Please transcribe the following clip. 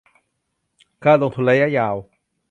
การลงทุนระยะยาว